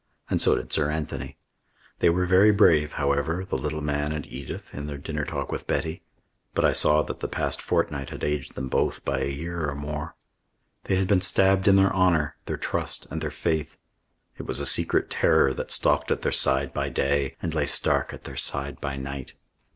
And so did Sir Anthony. They were very brave, however, the little man and Edith, in their dinner talk with Betty. But I saw that the past fortnight had aged them both by a year or more. They had been stabbed in their honour, their trust, and their faith. It was a secret terror that stalked at their side by day and lay stark at their side by night.